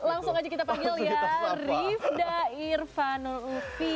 langsung aja kita panggil ya rivda irfanul ufi